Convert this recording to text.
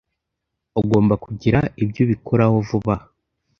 Ugomba kugira ibyo ubikoraho vuba aha.